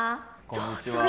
こんにちは。